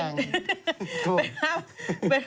เป็นภาพ